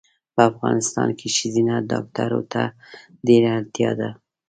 په افغانستان کې ښځېنه ډاکټرو ته ډېره اړتیا ده